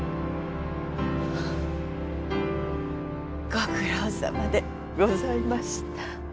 ご苦労さまでございました。